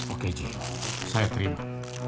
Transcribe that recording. oke ji saya terima